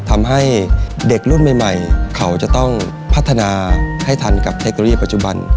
ทำให้เด็กรุ่นใหม่เขาจะต้องพัฒนาให้ทันกับเทคโนโลยีปัจจุบัน